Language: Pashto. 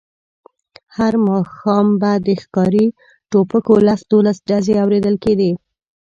هر ماښام به د ښکاري ټوپکو لس دولس ډزې اورېدل کېدې.